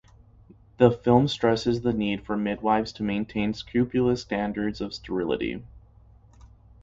The film stresses the need for midwives to maintain scrupulous standards of sterility.